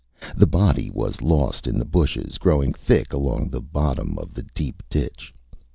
The body was lost in the bushes growing thick along the bottom of the deep ditch.